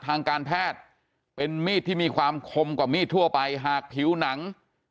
ทางการแพทย์เป็นมีดที่มีความคมกว่ามีดทั่วไปหากผิวหนัง